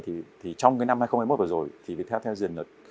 thì trong cái năm hai nghìn một mươi một vừa rồi thì viettel townsend